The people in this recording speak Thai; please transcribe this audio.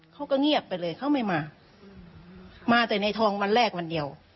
เขาก็เงียบไปเลยเขาไม่มามาแต่ในทองวันแรกวันเดียว